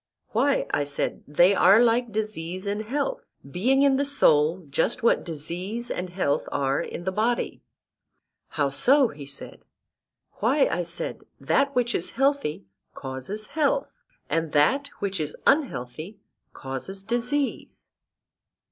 Why, I said, they are like disease and health; being in the soul just what disease and health are in the body. How so? he said. Why, I said, that which is healthy causes health, and that which is unhealthy causes disease.